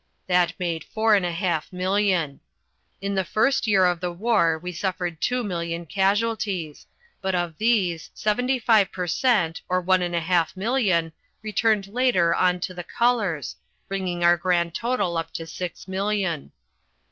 That made four and a half million. In the first year of the war we suffered two million casualties, but of these seventy five per cent, or one and a half million, returned later on to the colours, bringing our grand total up to six million.